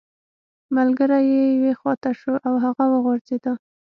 ملګری یې یوې خوا ته شو او هغه وغورځیده